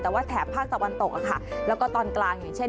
แต่ว่าแถบภาคตะวันตกแล้วก็ตอนกลางอย่างเช่น